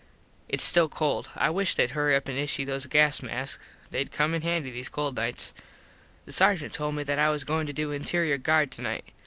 Its still cold. I wish thed hurry up and issue those gas masks. Theyd come in handy these cold nights. The sargent told me that I was goin to do interior guard tonight.